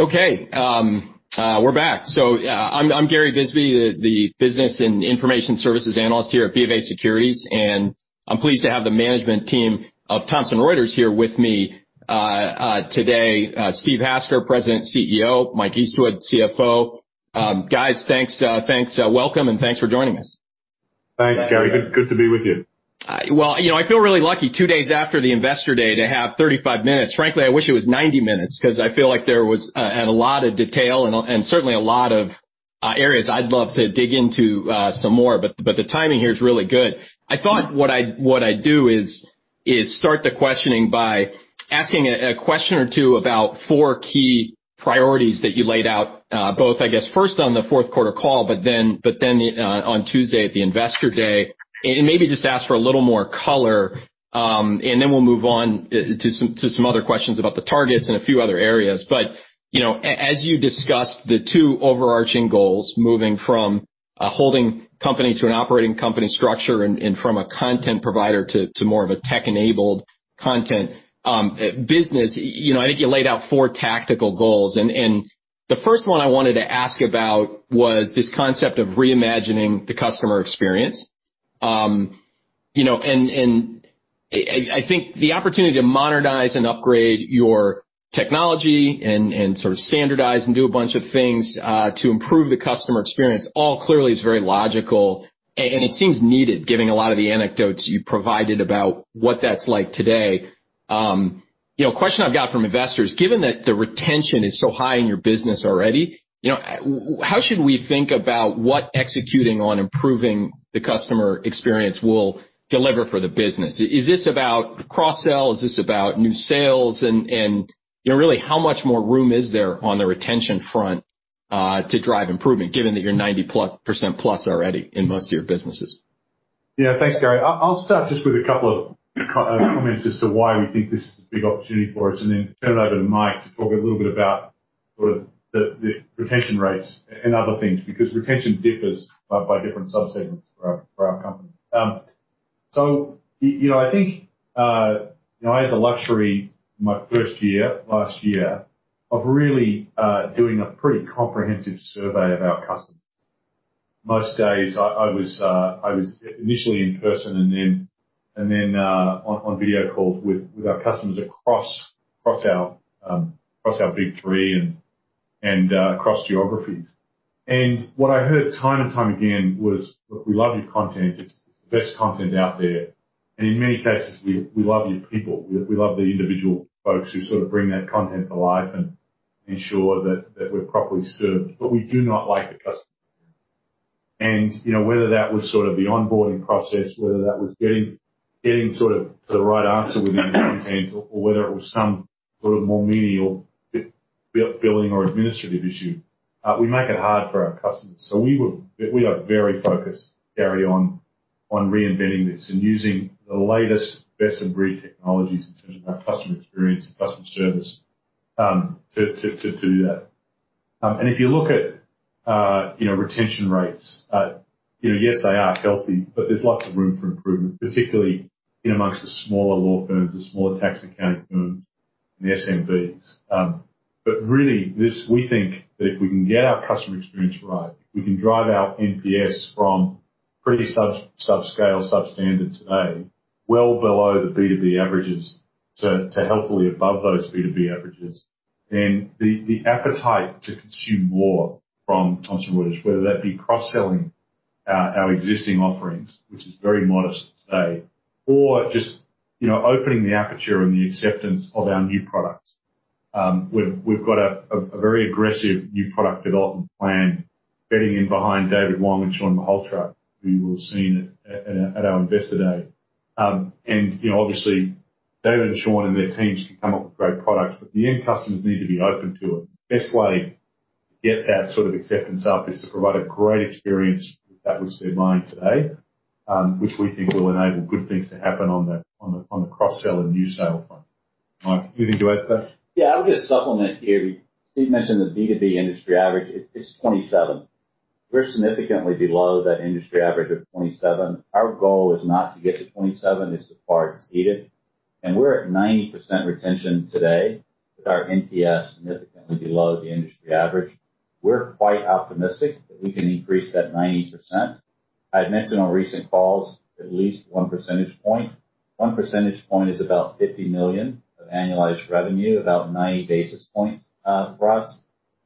Okay, we're back, so I'm Gary Bisbee, the Business and Information Services Analyst here at BofA Securities, and I'm pleased to have the management team of Thomson Reuters here with me today: Steve Hasker, President and CEO, Mike Eastwood, CFO. Guys, thanks, welcome, and thanks for joining us. Thanks, Gary. Good to be with you. You know, I feel really lucky two days after the Investor Day to have 35 minutes. Frankly, I wish it was 90 minutes because I feel like there was a lot of detail and certainly a lot of areas I'd love to dig into some more, but the timing here is really good. I thought what I'd do is start the questioning by asking a question or two about four key priorities that you laid out, both, I guess, first on the fourth quarter call, but then on Tuesday at the Investor Day, and maybe just ask for a little more color, and then we'll move on to some other questions about the targets and a few other areas. But as you discussed the two overarching goals, moving from a holding company to an operating company structure and from a content provider to more of a tech-enabled content business, I think you laid out four tactical goals. And the first one I wanted to ask about was this concept of reimagining the customer experience. And I think the opportunity to modernize and upgrade your technology and sort of standardize and do a bunch of things to improve the customer experience all clearly is very logical, and it seems needed, given a lot of the anecdotes you provided about what that's like today. Question I've got from investors: given that the retention is so high in your business already, how should we think about what executing on improving the customer experience will deliver for the business? Is this about cross-sell? Is this about new sales? Really, how much more room is there on the retention front to drive improvement, given that you're 90%+ already in most of your businesses? Yeah, thanks, Gary. I'll start just with a couple of comments as to why we think this is a big opportunity for us, and then turn it over to Mike to talk a little bit about the retention rates and other things because retention differs by different subsegments for our company. So I think I had the luxury my first year, last year, of really doing a pretty comprehensive survey of our customers. Most days, I was initially in person and then on video calls with our customers across our Big Three and across geographies. And what I heard time and time again was, "Look, we love your content. It's the best content out there." And in many cases, we love your people. "We love the individual folks who sort of bring that content to life and ensure that we're properly served. But we do not like the customer service," and whether that was sort of the onboarding process, whether that was getting sort of the right answer within the content, or whether it was some sort of more menial billing or administrative issue, we make it hard for our customers, so we are very focused, Gary, on reinventing this and using the latest, best-of-breed technologies in terms of our customer experience and customer service to do that, and if you look at retention rates, yes, they are healthy, but there's lots of room for improvement, particularly amongst the smaller law firms, the smaller tax accounting firms, and the SMBs. But really, we think that if we can get our customer experience right, if we can drive our NPS from pretty subscale, substandard today, well below the B2B averages, to healthily above those B2B averages, then the appetite to consume more from Thomson Reuters, whether that be cross-selling our existing offerings, which is very modest today, or just opening the aperture and the acceptance of our new products. We've got a very aggressive new product development plan betting in behind David Wong and Shawn Malhotra, who you will have seen at our Investor Day. And obviously, David and Shawn and their teams can come up with great products, but the end customers need to be open to it. The best way to get that sort of acceptance up is to provide a great experience that reaches their mind today, which we think will enable good things to happen on the cross-sell and new sale front. Mike, anything to add to that? Yeah, I would just supplement here. Steve mentioned the B2B industry average. It's 27. We're significantly below that industry average of 27. Our goal is not to get to 27, it's to far exceed it. And we're at 90% retention today, with our NPS significantly below the industry average. We're quite optimistic that we can increase that 90%. I had mentioned on recent calls at least one percentage point. One percentage point is about $50 million of annualized revenue, about 90 basis points for us.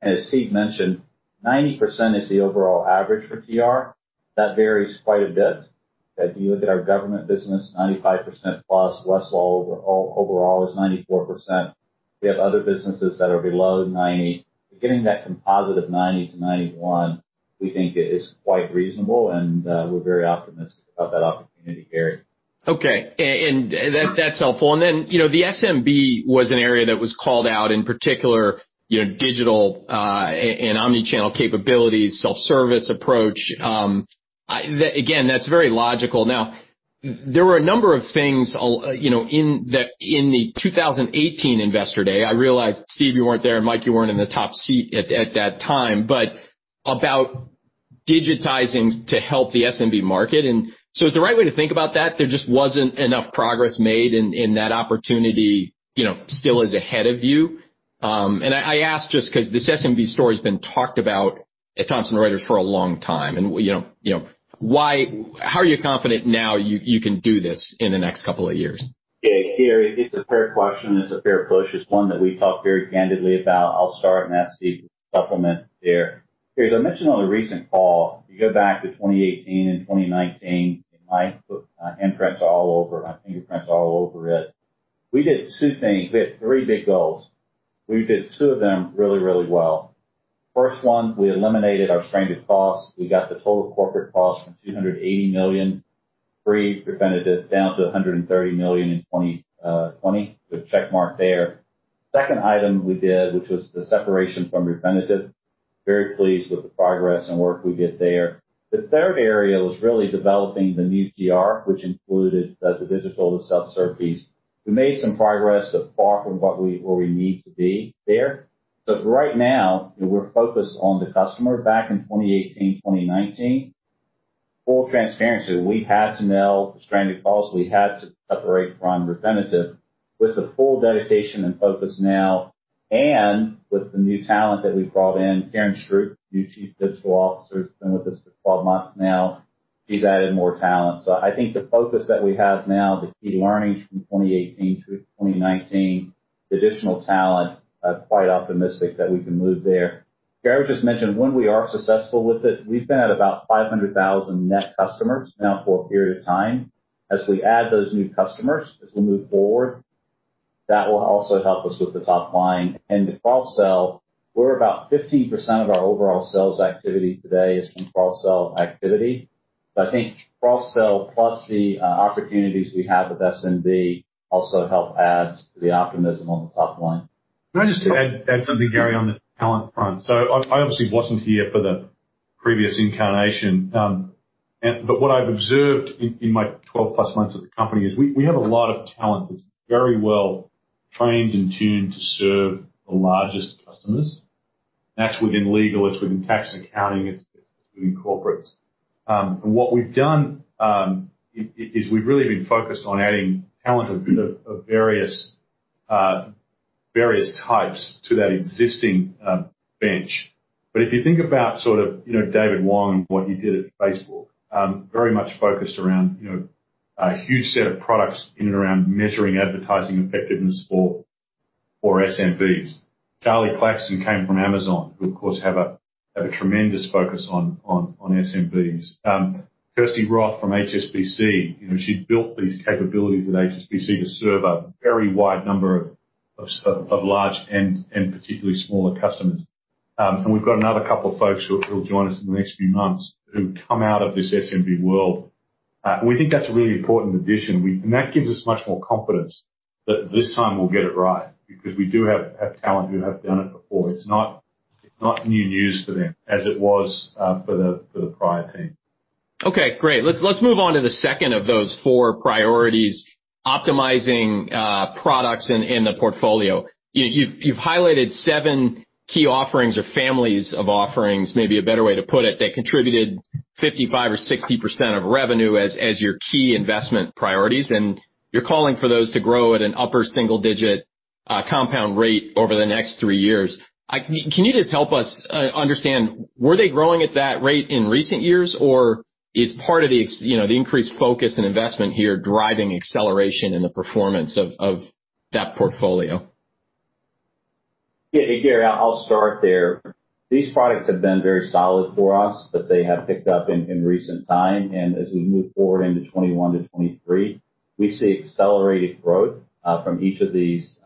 And as Steve mentioned, 90% is the overall average for TR. That varies quite a bit. If you look at our government business, 95%+, Westlaw overall is 94%. We have other businesses that are below 90%. But getting that composite of 90% to 91%, we think is quite reasonable, and we're very optimistic about that opportunity, Gary. Okay, and that's helpful. And then the SMB was an area that was called out, in particular, digital and omnichannel capabilities, self-service approach. Again, that's very logical. Now, there were a number of things in the 2018 Investor Day. I realized, Steve, you weren't there, and Mike, you weren't in the top seat at that time, but about digitizing to help the SMB market. And so is the right way to think about that? There just wasn't enough progress made, and that opportunity still is ahead of you. And I ask just because this SMB story has been talked about at Thomson Reuters for a long time. And how are you confident now you can do this in the next couple of years? Gary, it's a fair question. It's a fair push. It's one that we talk very candidly about. I'll start and ask Steve to supplement there. Gary, as I mentioned on a recent call, you go back to 2018 and 2019, and my handprints are all over, my fingerprints are all over it. We did two things. We had three big goals. We did two of them really, really well. First one, we eliminated our stranded costs. We got the total corporate cost from $280 million, pre-Refinitiv, down to $130 million in 2020, so check mark there. Second item we did, which was the separation from Refinitiv. Very pleased with the progress and work we did there. The third area was really developing the new TR, which included the digital self-services. We made some progress, but far from where we need to be there. So right now, we're focused on the customer. Back in 2018, 2019, full transparency, we had to nail the stranded costs. We had to separate from Refinitiv with the full dedication and focus now, and with the new talent that we brought in, Karen Stroup, new Chief Digital Officer, has been with us for 12 months now. She's added more talent. So I think the focus that we have now, the key learnings from 2018 through 2019, the additional talent, I'm quite optimistic that we can move there. Gary just mentioned when we are successful with it, we've been at about 500,000 net customers now for a period of time. As we add those new customers, as we move forward, that will also help us with the top line. And the cross-sell, we're about 15% of our overall sales activity today is from cross-sell activity. So I think cross-sell plus the opportunities we have with SMB also help add to the optimism on the top line. Can I just add something, Gary, on the talent front? So I obviously wasn't here for the previous incarnation, but what I've observed in my 12+ months at the company is we have a lot of talent that's very well trained and tuned to serve the largest customers. That's within legal, it's within tax accounting, it's in corporates. And what we've done is we've really been focused on adding talent of various types to that existing bench. But if you think about sort of David Wong and what he did at Facebook, very much focused around a huge set of products in and around measuring advertising effectiveness for SMBs. Charlie Claxton came from Amazon, who of course have a tremendous focus on SMBs. Kirsty Roth from HSBC, she built these capabilities at HSBC to serve a very wide number of large and particularly smaller customers. And we've got another couple of folks who will join us in the next few months who come out of this SMB world. We think that's a really important addition, and that gives us much more confidence that this time we'll get it right because we do have talent who have done it before. It's not new news for them as it was for the prior team. Okay, great. Let's move on to the second of those four priorities: optimizing products in the portfolio. You've highlighted seven key offerings or families of offerings, maybe a better way to put it, that contributed 55% or 60% of revenue as your key investment priorities, and you're calling for those to grow at an upper single-digit compound rate over the next three years. Can you just help us understand, were they growing at that rate in recent years, or is part of the increased focus and investment here driving acceleration in the performance of that portfolio? Gary, I'll start there. These products have been very solid for us, but they have picked up in recent time. And as we move forward into 2021 to 2023, we see accelerated growth from each of these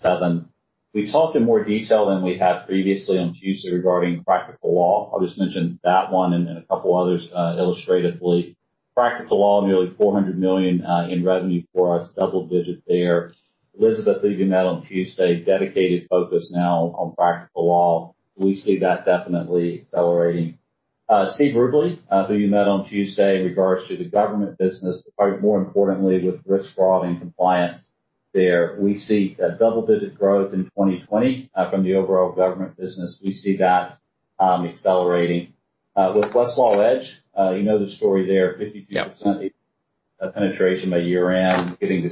seven. We talked in more detail than we had previously on Tuesday regarding Practical Law. I'll just mention that one and a couple others illustratively. Practical Law, nearly $400 million in revenue for us, double-digit there. Elizabeth, who you met on Tuesday, dedicated focus now on Practical Law. We see that definitely accelerating. Steve Rubley, who you met on Tuesday in regards to the government business, but more importantly, with risk, fraud, and compliance there, we see double-digit growth in 2020 from the overall government business. We see that accelerating. With Westlaw Edge, you know the story there, 52% penetration by year-end, getting to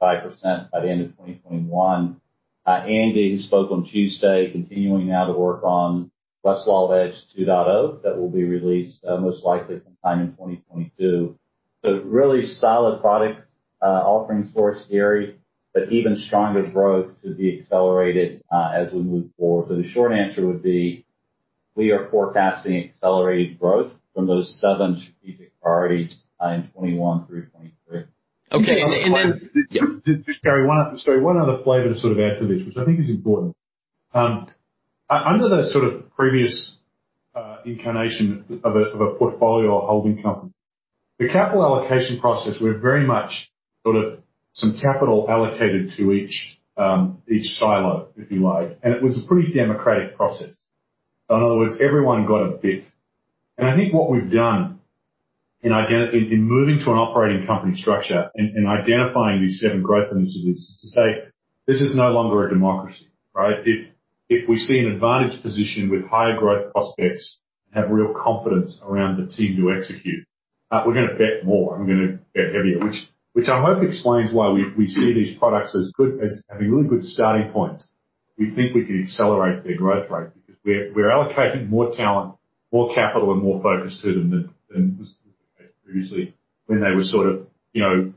60%-65% by the end of 2021. Andy, who spoke on Tuesday, continuing now to work on Westlaw Edge 2.0 that will be released most likely sometime in 2022, so really solid product offerings for us, Gary, but even stronger growth to be accelerated as we move forward, so the short answer would be we are forecasting accelerated growth from those seven strategic priorities in 2021 through 2023. Okay, and then. Just, Gary, one other flavor to sort of add to this, which I think is important. Under the sort of previous incarnation of a portfolio or holding company, the capital allocation process, we're very much sort of some capital allocated to each silo, if you like, and it was a pretty democratic process. So in other words, everyone got a bit. And I think what we've done in moving to an operating company structure and identifying these seven growth initiatives is to say, "This is no longer a democracy," right? If we see an advantage position with higher growth prospects and have real confidence around the team you execute, we're going to bet more. I'm going to bet heavier, which I hope explains why we see these products as having really good starting points. We think we can accelerate their growth rate because we're allocating more talent, more capital, and more focus to them than was the case previously when they were sort of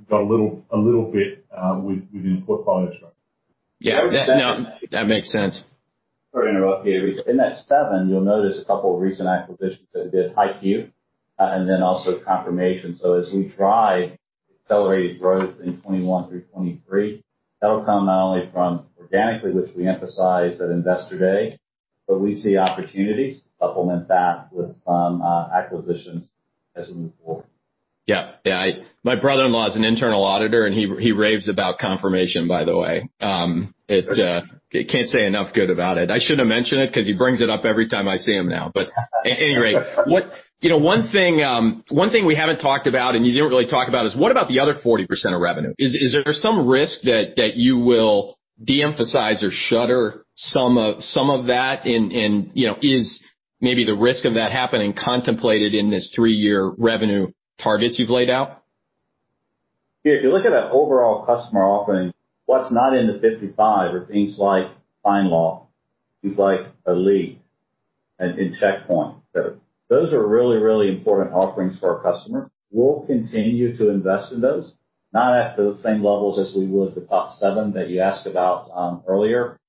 got a little bit within portfolio structure. Yeah, that makes sense. Sorry to interrupt, Gary. In that seven, you'll notice a couple of recent acquisitions that have been HighQ and then also Confirmation. So as we drive accelerated growth in 2021 through 2023, that'll come not only from organically, which we emphasize at Investor Day, but we see opportunities to supplement that with some acquisitions as we move forward. Yeah, yeah. My brother-in-law is an internal auditor, and he raves about Confirmation, by the way. I can't say enough good about it. I shouldn't have mentioned it because he brings it up every time I see him now. But at any rate, one thing we haven't talked about and you didn't really talk about is what about the other 40% of revenue? Is there some risk that you will de-emphasize or shutter some of that? And is maybe the risk of that happening contemplated in this three-year revenue targets you've laid out? Gary, if you look at an overall customer offering, what's not in the 55% are things like FindLaw, things like Elite, and Checkpoint. Those are really, really important offerings for our customers. We'll continue to invest in those, not at the same levels as we would the top seven that you asked about earlier.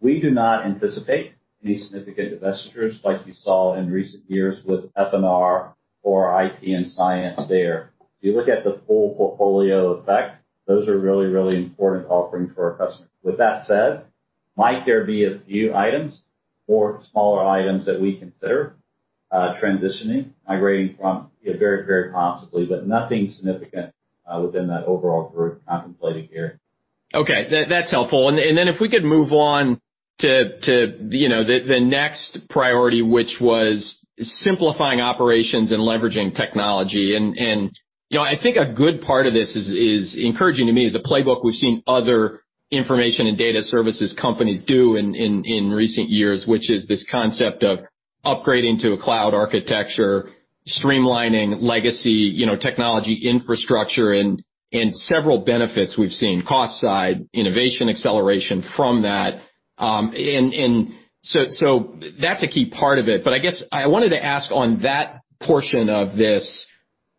We do not anticipate any significant divestitures like you saw in recent years with F&R or IP & Science there. If you look at the full portfolio effect, those are really, really important offerings for our customers. With that said, might there be a few items or smaller items that we consider transitioning, migrating from very, very possibly, but nothing significant within that overall group contemplated here. Okay, that's helpful, and then if we could move on to the next priority, which was simplifying operations and leveraging technology, and I think a good part of this is encouraging to me as a playbook we've seen other information and data services companies do in recent years, which is this concept of upgrading to a cloud architecture, streamlining legacy technology infrastructure, and several benefits we've seen, cost side, innovation acceleration from that, and so that's a key part of it, but I guess I wanted to ask on that portion of this,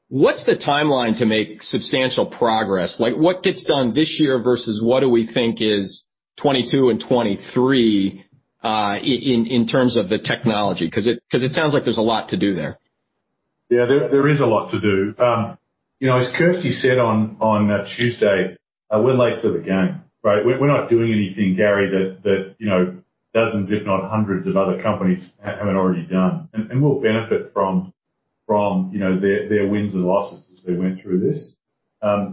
what's the timeline to make substantial progress? What gets done this year versus what do we think is 2022 and 2023 in terms of the technology? Because it sounds like there's a lot to do there. Yeah, there is a lot to do. As Kirsty said on Tuesday, we're late to the game, right? We're not doing anything, Gary, that dozens, if not hundreds of other companies haven't already done. And we'll benefit from their wins and losses as they went through this.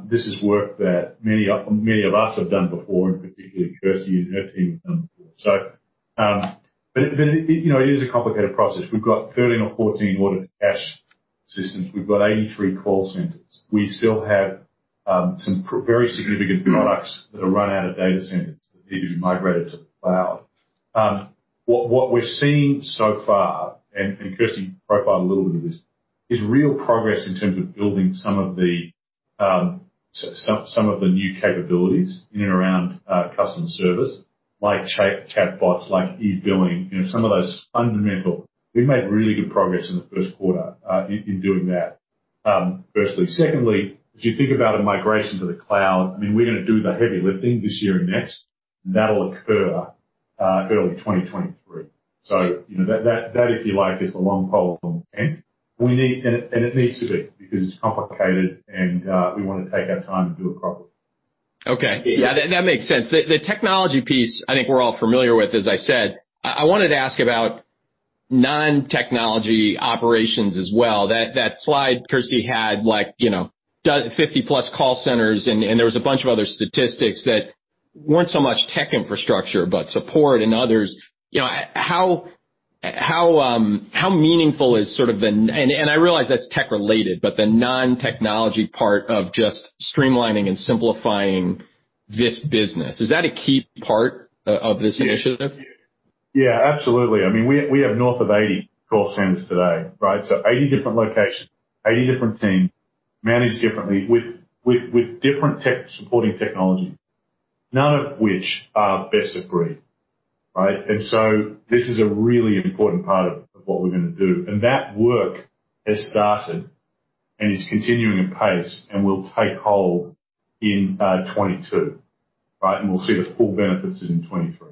This is work that many of us have done before, and particularly Kirsty and her team have done before. But it is a complicated process. We've got 13 or 14 order-to-cash systems. We've got 83 call centers. We still have some very significant products that are run out of data centers that need to be migrated to the cloud. What we're seeing so far, and Kirsty profiled a little bit of this, is real progress in terms of building some of the new capabilities in and around customer service, like chatbots, like e-billing, some of those fundamental. We've made really good progress in the first quarter in doing that, firstly. Secondly, if you think about a migration to the cloud, I mean, we're going to do the heavy lifting this year and next, and that'll occur early 2023. So that, if you like, is the long pole, okay? And it needs to be because it's complicated, and we want to take our time and do it properly. Okay, yeah, that makes sense. The technology piece, I think we're all familiar with, as I said. I wanted to ask about non-technology operations as well. That slide Kirsty had like 50+ call centers, and there was a bunch of other statistics that weren't so much tech infrastructure but support and others. How meaningful is sort of the, and I realize that's tech-related, but the non-technology part of just streamlining and simplifying this business? Is that a key part of this initiative? Yeah, absolutely. I mean, we have north of 80 call centers today, right? So 80 different locations, 80 different teams, managed differently with different supporting technologies, none of which are best of breed, right? And so this is a really important part of what we're going to do. And that work has started and is continuing at pace and will take hold in 2022, right? And we'll see the full benefits in 2023.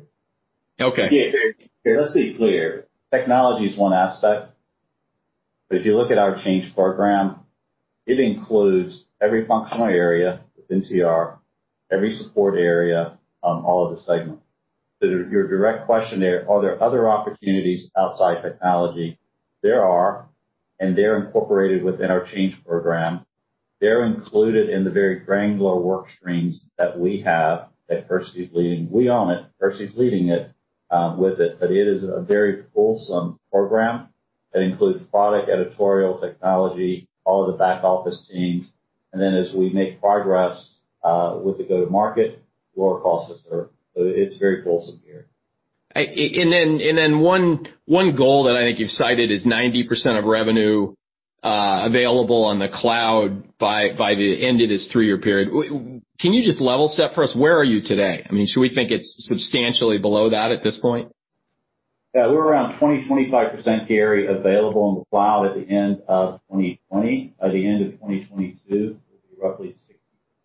Yeah, let's be clear. Technology is one aspect. But if you look at our Change Program, it includes every functional area within TR, every support area, all of the segments. So your direct question there, are there other opportunities outside technology? There are, and they're incorporated within our Change Program. They're included in the very granular work streams that we have that Kirsty's leading. We own it. Kirsty's leading it with it, but it is a very wholesome program that includes product, editorial, technology, all of the back office teams. And then as we make progress with the go-to-market, lower costs are—so it's very fulsome here. And then one goal that I think you've cited is 90% of revenue available on the cloud by the end of this three-year period. Can you just level set for us? Where are you today? I mean, should we think it's substantially below that at this point? Yeah, we're around 20%,25%, Gary, available on the cloud at the end of 2020. By the end of 2022, we'll be roughly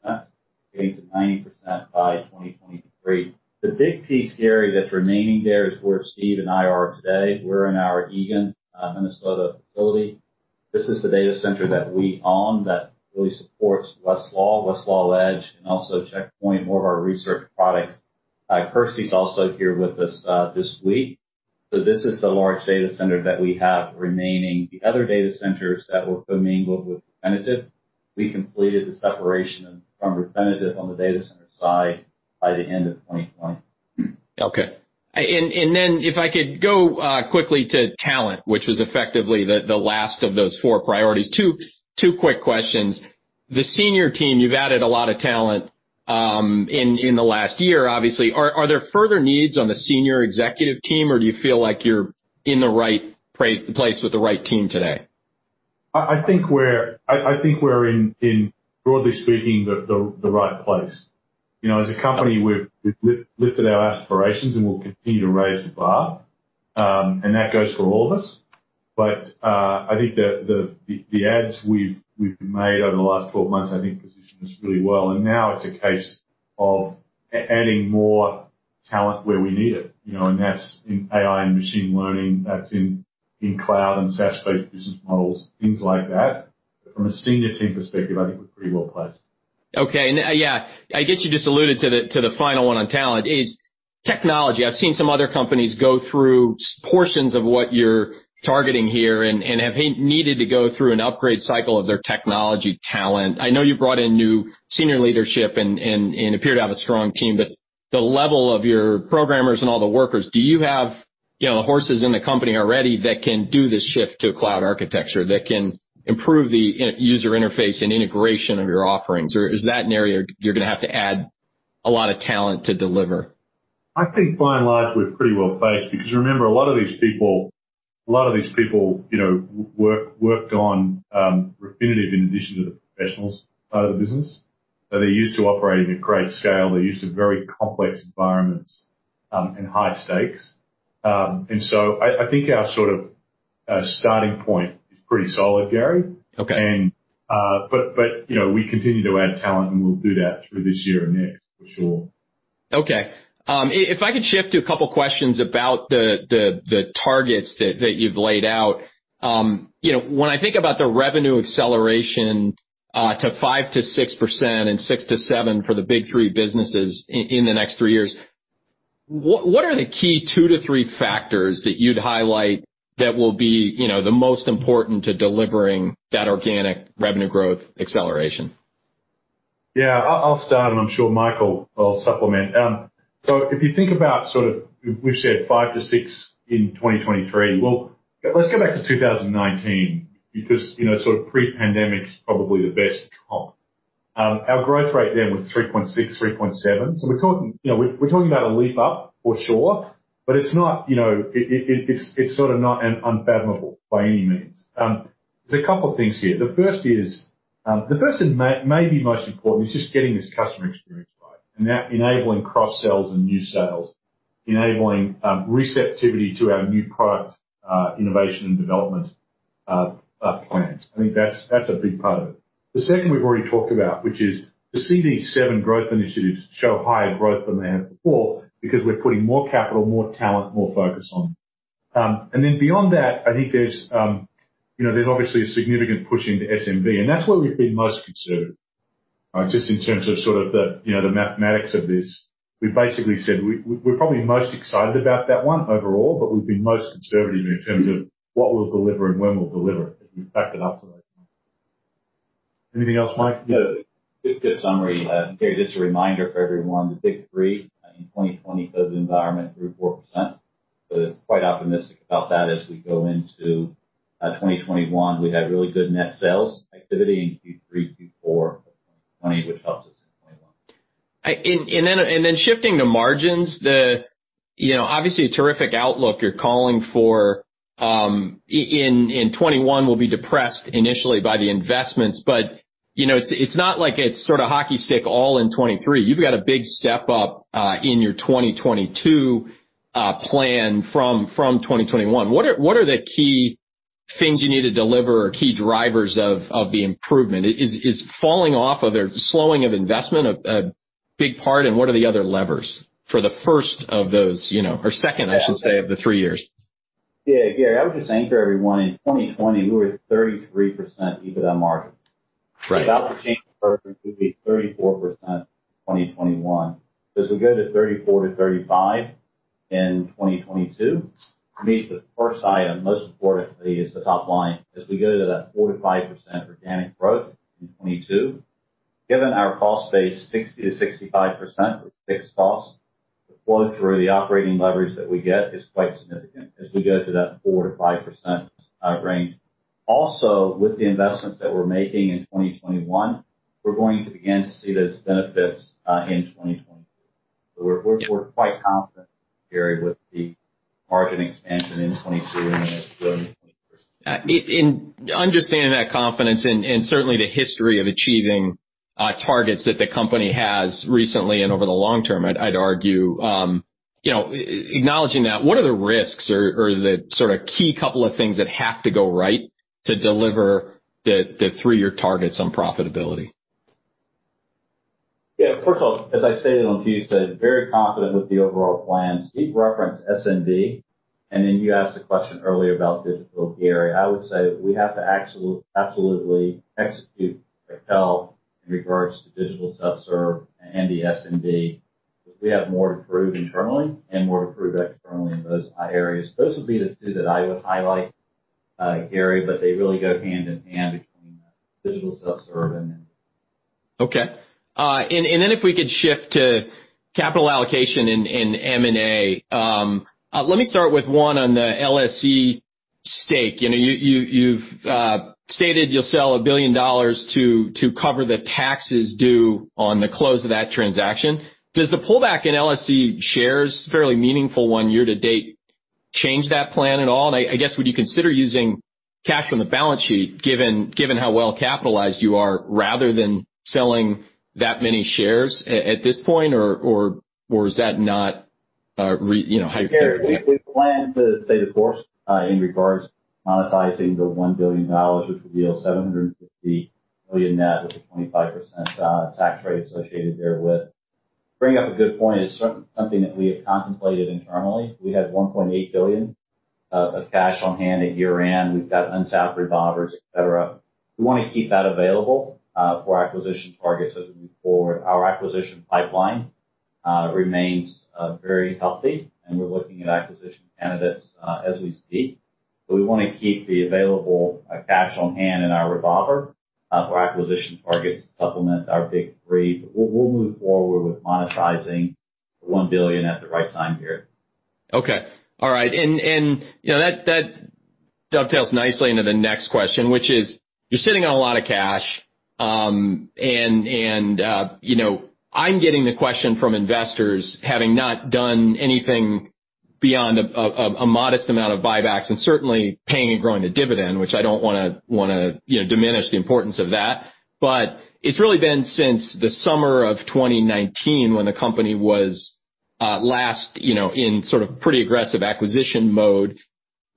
60%, getting to 90% by 2023. The big piece, Gary, that's remaining there is where Steve and I are today. We're in our Eagan, Minnesota facility. This is the data center that we own that really supports Westlaw, Westlaw Edge, and also Checkpoint, more of our research products. Kirsty's also here with us this week. So this is the large data center that we have remaining. The other data centers that were commingled with Refinitiv, we completed the separation from Refinitiv on the data center side by the end of 2020. Okay. And then if I could go quickly to talent, which was effectively the last of those four priorities. Two quick questions. The senior team, you've added a lot of talent in the last year, obviously. Are there further needs on the senior executive team, or do you feel like you're in the right place with the right team today? I think we're in, broadly speaking, the right place. As a company, we've lifted our aspirations and we'll continue to raise the bar, and that goes for all of us. But I think the adds we've made over the last 12 months, I think, position us really well. And now it's a case of adding more talent where we need it. And that's in AI and machine learning. That's in cloud and SaaS-based business models, things like that. From a senior team perspective, I think we're pretty well placed. Okay. And yeah, I guess you just alluded to the final one on talent. It's technology. I've seen some other companies go through portions of what you're targeting here and have needed to go through an upgrade cycle of their technology talent. I know you brought in new senior leadership and appear to have a strong team, but the level of your programmers and all the workers, do you have the horses in the company already that can do this shift to cloud architecture that can improve the user interface and integration of your offerings? Or is that an area you're going to have to add a lot of talent to deliver? I think, by and large, we're pretty well placed because remember, a lot of these people, a lot of these people worked on Refinitiv in addition to the professionals out of the business. They're used to operating at great scale. They're used to very complex environments and high stakes. And so I think our sort of starting point is pretty solid, Gary. But we continue to add talent, and we'll do that through this year and next, for sure. Okay. If I could shift to a couple of questions about the targets that you've laid out. When I think about the revenue acceleration to 5%-6% and 6%-7% for the Big Three businesses in the next three years, what are the key two to three factors that you'd highlight that will be the most important to delivering that organic revenue growth acceleration? Yeah, I'll start, and I'm sure Michael will supplement so if you think about sort of, we've said 5%-6% in 2023, well, let's go back to 2019 because sort of pre-pandemic is probably the best comp. Our growth rate then was 3.6%,3.7%, so we're talking about a leap up, for sure, but it's not, it's sort of not unfathomable by any means. There's a couple of things here. The first is, the first and maybe most important is just getting this customer experience right and enabling cross-sales and new sales, enabling receptivity to our new product innovation and development plans. I think that's a big part of it. The second we've already talked about, which is to see these seven growth initiatives show higher growth than they have before because we're putting more capital, more talent, more focus on them. And then beyond that, I think there's obviously a significant push into SMB, and that's where we've been most conservative, just in terms of sort of the mathematics of this. We've basically said we're probably most excited about that one overall, but we've been most conservative in terms of what we'll deliver and when we'll deliver it. We've backed it up today. Anything else, Mike? Good summary. Gary, just a reminder for everyone, the Big Three in 2020, COVID environment, 3%-4%. So quite optimistic about that as we go into 2021. We had really good net sales activity in Q3, Q4 of 2020, which helps us in 2021. Then, shifting to margins, obviously a terrific outlook you're calling for in 2021 will be depressed initially by the investments, but it's not like it's sort of hockey stick all in 2023. You've got a big step up in your 2022 plan from 2021. What are the key things you need to deliver or key drivers of the improvement? Is falling off of or slowing of investment a big part, and what are the other levers for the first of those, or second, I should say, of the three years? Yeah, Gary, I would just anchor everyone. In 2020, we were at 33% EBITDA margin. If that were to change further, we'd be at 34% in 2021. As we go to 34%-35% in 2022, for me, the first item, most importantly, is the top line. As we go to that 4%-5% organic growth in 2022, given our cost base, 60%-65% for fixed costs, the flow through the operating leverage that we get is quite significant. As we go to that 4%-5% range, also with the investments that we're making in 2021, we're going to begin to see those benefits in 2022. So we're quite confident, Gary, with the margin expansion in 2022 and then as we go into 2023. Understanding that confidence and certainly the history of achieving targets that the company has recently and over the long term, I'd argue, acknowledging that, what are the risks or the sort of key couple of things that have to go right to deliver the three-year targets on profitability? Yeah, first of all, as I stated on Tuesday, very confident with the overall plan. Steve referenced SMB, and then you asked the question earlier about digital, Gary. I would say we have to absolutely execute, propel in regards to digital self-serve and the SMB because we have more to prove internally and more to prove externally in those areas. Those would be the two that I would highlight, Gary, but they really go hand in hand between digital self-serve and SMB. Okay. And then if we could shift to capital allocation and M&A, let me start with one on the LSE stake. You've stated you'll sell $1 billion to cover the taxes due on the close of that transaction. Does the pullback in LSE shares, fairly meaningful one year to date, change that plan at all? And I guess, would you consider using cash from the balance sheet given how well capitalized you are rather than selling that many shares at this point, or is that not how you're thinking? Gary, we plan to stay the course in regards to monetizing the $1 billion, which would yield $750 million net with a 25% tax rate associated therewith. Bringing up a good point, it's certainly something that we have contemplated internally. We have $1.8 billion of cash on hand at year-end. We've got untapped revolvers, et cetera. We want to keep that available for acquisition targets as we move forward. Our acquisition pipeline remains very healthy, and we're looking at acquisition candidates as we speak. So we want to keep the available cash on hand in our revolver for acquisition targets to supplement our Big Three. But we'll move forward with monetizing the $1 billion at the right time here. Okay. All right. And that dovetails nicely into the next question, which is you're sitting on a lot of cash, and I'm getting the question from investors having not done anything beyond a modest amount of buybacks and certainly paying and growing the dividend, which I don't want to diminish the importance of that. But it's really been since the summer of 2019 when the company was last in sort of pretty aggressive acquisition mode.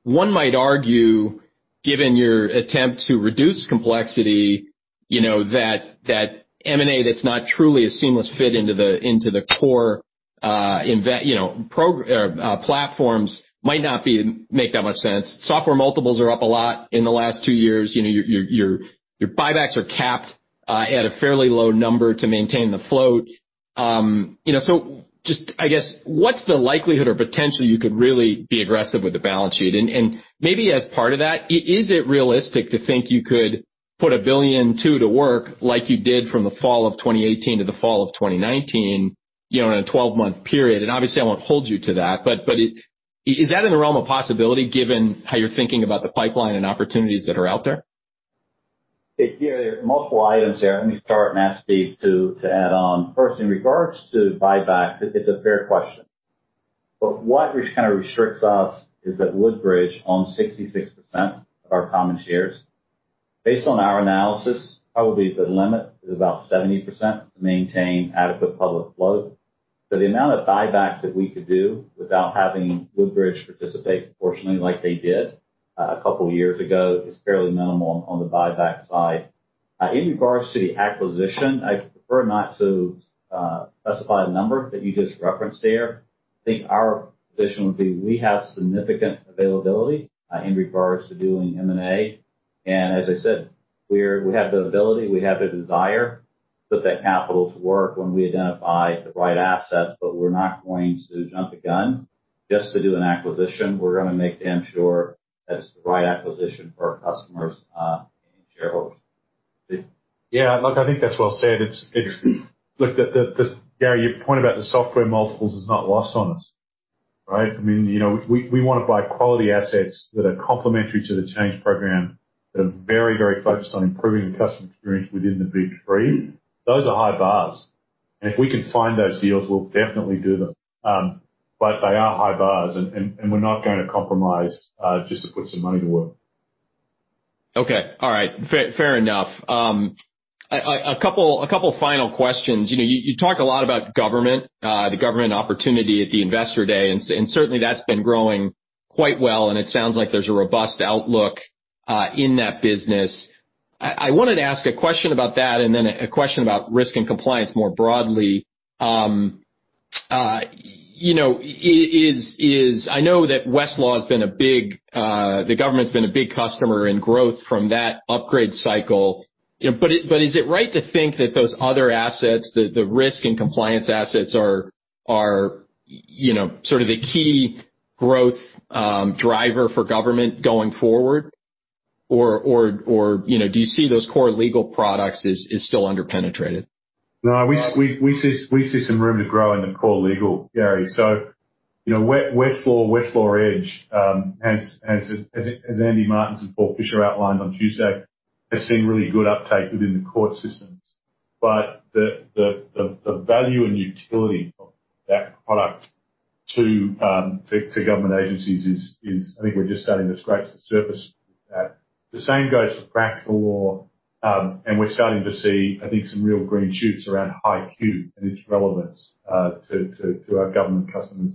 One might argue, given your attempt to reduce complexity, that M&A that's not truly a seamless fit into the core platforms might not make that much sense. Software multiples are up a lot in the last two years. Your buybacks are capped at a fairly low number to maintain the float. So just, I guess, what's the likelihood or potential you could really be aggressive with the balance sheet? Maybe as part of that, is it realistic to think you could put $1 billion to work like you did from the fall of 2018 to the fall of 2019 in a 12-month period? Obviously, I won't hold you to that, but is that in the realm of possibility given how you're thinking about the pipeline and opportunities that are out there? Gary, there are multiple items here. Let me start and ask Steve to add on. First, in regards to buyback, it's a fair question. But what kind of restricts us is that Woodbridge owns 66% of our common shares. Based on our analysis, probably the limit is about 70% to maintain adequate public float. So the amount of buybacks that we could do without having Woodbridge participate proportionately like they did a couple of years ago is fairly minimal on the buyback side. In regards to the acquisition, I prefer not to specify a number that you just referenced here. I think our position would be we have significant availability in regards to doing M&A. And as I said, we have the ability, we have the desire to put that capital to work when we identify the right asset, but we're not going to jump the gun just to do an acquisition. We're going to make sure that it's the right acquisition for our customers and shareholders. Yeah, look, I think that's well said. Look, Gary, your point about the software multiples has not lost on us, right? I mean, we want to buy quality assets that are complementary to the Change Program that are very, very focused on improving the customer experience within the Big Three. Those are high bars. And if we can find those deals, we'll definitely do them. But they are high bars, and we're not going to compromise just to put some money to work. Okay. All right. Fair enough. A couple of final questions. You talked a lot about government, the government opportunity at the Investor Day, and certainly that's been growing quite well, and it sounds like there's a robust outlook in that business. I wanted to ask a question about that and then a question about risk and compliance more broadly. I know that Westlaw has been a big, the government's been a big customer in growth from that upgrade cycle. But is it right to think that those other assets, the risk and compliance assets, are sort of the key growth driver for government going forward? Or do you see those core legal products as still underpenetrated? No, we see some room to grow in the core legal, Gary. So Westlaw, Westlaw Edge, as Andy Martens and Paul Fischer outlined on Tuesday, have seen really good uptake within the court systems. But the value and utility of that product to government agencies is, I think we're just starting to scratch the surface with that. The same goes for Practical Law, and we're starting to see, I think, some real green shoots around HighQ and its relevance to our government customers.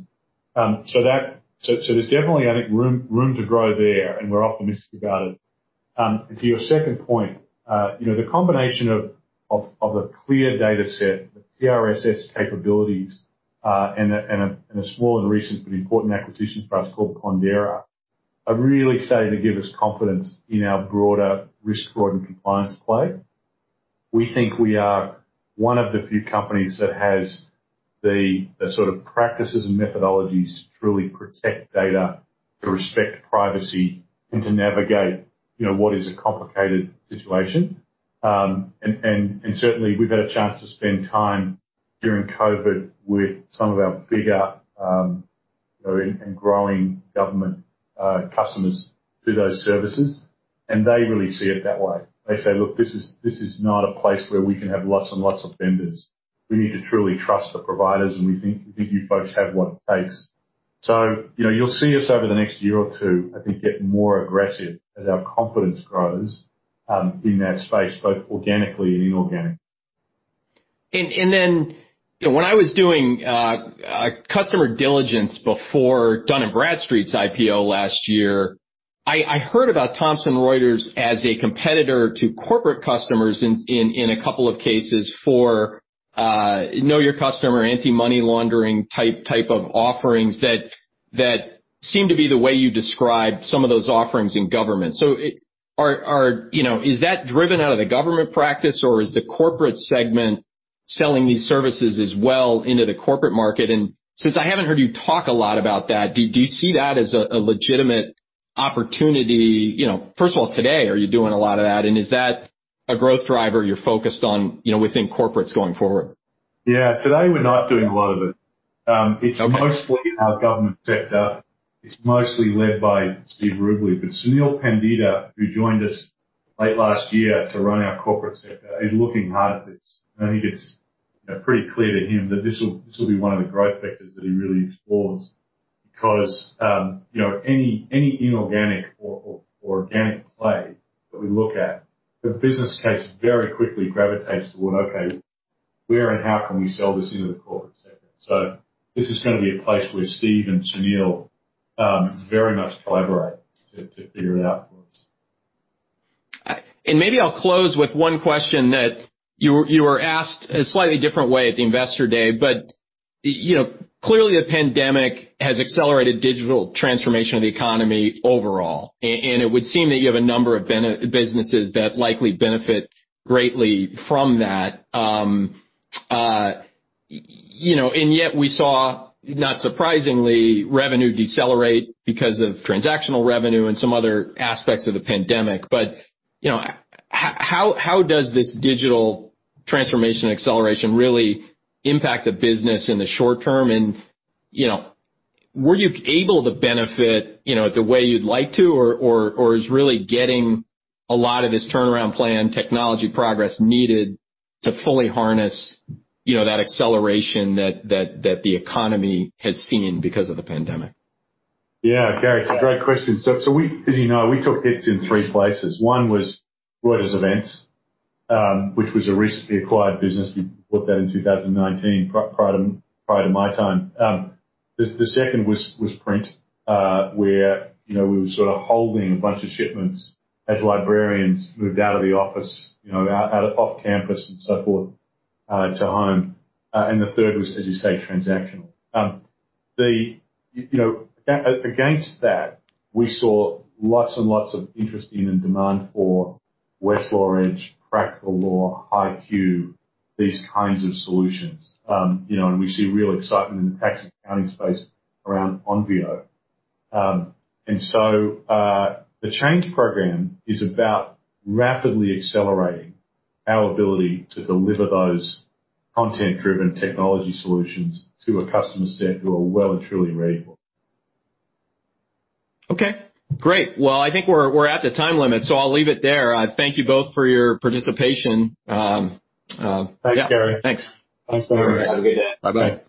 So there's definitely, I think, room to grow there, and we're optimistic about it. To your second point, the combination of a clear dataset, the TRSS capabilities, and a small and recent but important acquisition for us called Pondera, are really starting to give us confidence in our broader risk, fraud compliance play. We think we are one of the few companies that has the sort of practices and methodologies to truly protect data, to respect privacy, and to navigate what is a complicated situation, and certainly, we've had a chance to spend time during COVID with some of our bigger and growing government customers through those services, and they really see it that way. They say, "Look, this is not a place where we can have lots and lots of vendors. We need to truly trust the providers, and we think you folks have what it takes," so you'll see us over the next year or two, I think, get more aggressive as our confidence grows in that space, both organically and inorganically. And then when I was doing customer diligence before Dun & Bradstreet's IPO last year, I heard about Thomson Reuters as a competitor to corporate customers in a couple of cases for know your customer, anti-money laundering type of offerings that seem to be the way you describe some of those offerings in government. So is that driven out of the government practice, or is the corporate segment selling these services as well into the corporate market? And since I haven't heard you talk a lot about that, do you see that as a legitimate opportunity? First of all, today, are you doing a lot of that? And is that a growth driver you're focused on within corporates going forward? Yeah, today we're not doing a lot of it. It's mostly our government sector. It's mostly led by Steve Rubley, but Sunil Pandita, who joined us late last year to run our corporate sector, is looking hard at this, and I think it's pretty clear to him that this will be one of the growth factors that he really explores because any inorganic or organic play that we look at, the business case very quickly gravitates toward, "Okay, where and how can we sell this into the corporate sector?", so this is going to be a place where Steve and Sunil very much collaborate to figure it out for us. And maybe I'll close with one question that you were asked a slightly different way at the Investor Day, but clearly the pandemic has accelerated digital transformation of the economy overall, and it would seem that you have a number of businesses that likely benefit greatly from that. And yet we saw, not surprisingly, revenue decelerate because of transactional revenue and some other aspects of the pandemic. But how does this digital transformation acceleration really impact the business in the short term? And were you able to benefit the way you'd like to, or is really getting a lot of this turnaround plan, technology progress needed to fully harness that acceleration that the economy has seen because of the pandemic? Yeah, Gary, it's a great question. So as you know, we took hits in three places. One was Reuters Events, which was a recently acquired business. We bought that in 2019 prior to my time. The second was print, where we were sort of holding a bunch of shipments as librarians moved out of the office, off campus and so forth, to home. And the third was, as you say, transactional. Against that, we saw lots and lots of interest in and demand for Westlaw Edge, Practical Law, HighQ, these kinds of solutions. And we see real excitement in the tax accounting space around Onvio. And so the Change Program is about rapidly accelerating our ability to deliver those content-driven technology solutions to a customer set who are well and truly ready for it. Okay. Great. Well, I think we're at the time limit, so I'll leave it there. Thank you both for your participation. Thanks, Gary. Thanks. Thanks, Gary. Have a good day. Bye-bye.